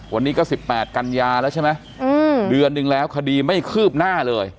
วันนี้ก็๑๘กันยาแล้วใช่ไหมเดือนนึงแล้วคดีไม่คืบหน้าเลย